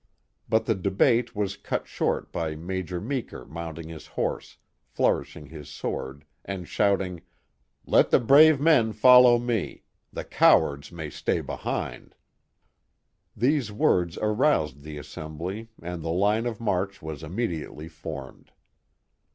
But the debate was cut short by Major Meeker mounting his horse, flourishing his sword, and shout ing: Let the brave men follow me; the cowards may stay 272 The Mohawk Valley ^^H behind." These words aroused the assembly, and the lin^oT march was immediately formed.